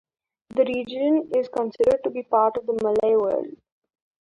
The region is considered to be part of the Malay world.